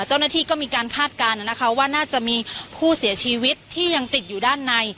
เจ้าหน้าที่ก็มีการคาดการณ์นะคะว่าน่าจะมีผู้เสียชีวิตที่ยังติดอยู่ด้านใน